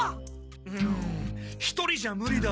うん一人じゃムリだ。